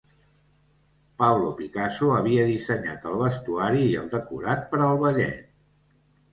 Pablo Picasso havia dissenyat el vestuari i el decorat per al ballet.